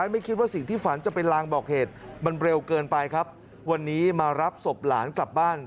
มันเร็วเกินไปครับวันนี้มารับศพหลานกลับบ้าน